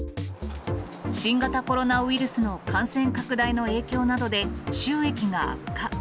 新型コロナウイルスの感染拡大の影響などで収益が悪化。